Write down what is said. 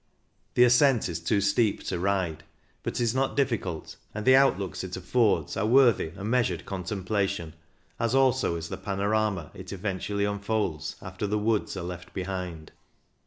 The ascent is too steep to ride, but is not difficult, and the outlooks it affords are worthy a measured contem plation, as also is the panorama it eventu ally unfolds after the woods are left behind.